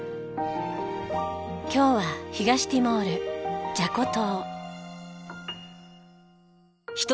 今日は東ティモールジャコ島。